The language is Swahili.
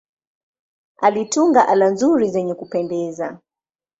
Alitunga ala nzuri zenye kupendeza.